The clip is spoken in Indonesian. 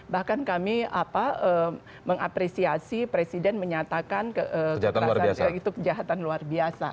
bahkan kami mengapresiasi presiden menyatakan kekerasan itu kejahatan luar biasa